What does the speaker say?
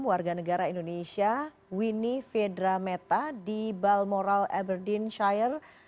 warga negara indonesia winnie fedrametta di balmoral aberdeenshire